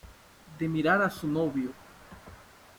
de mirar a su novio.